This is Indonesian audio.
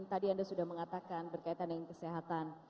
tadi anda sudah mengatakan berkaitan dengan kesehatan